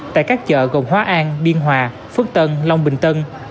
tại các chợ gồm hóa an biên hòa phước tân long bình tân